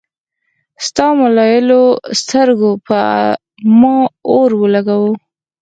ستا ملالو سترګو پۀ ما اور اولګوو